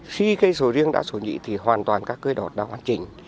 khi cây sầu riêng đã sổ nhị thì hoàn toàn các cây đọt đã hoàn chỉnh